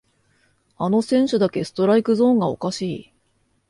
あの選手だけストライクゾーンがおかしい